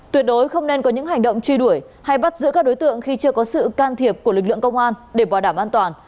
tuyệt đối không nên có những hành động truy đuổi hay bắt giữ các đối tượng khi chưa có sự can thiệp của lực lượng công an để bảo đảm an toàn